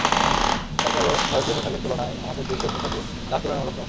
তার পরও ভারতীয় পোশাকের তুলনায় আমাদের দেশীয় পোশাকের দাম তুলনামূলক কম।